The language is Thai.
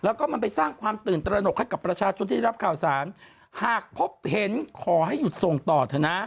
แล้วก็มันไปสร้างความตื่นตระหนกให้กับประชาชนที่ได้รับข่าวสารหากพบเห็นขอให้หยุดส่งต่อเถอะนะ